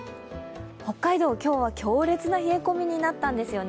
北海道、今日は強烈な冷え込みになったんですよね。